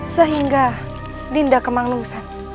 sehingga dinda kemangnusan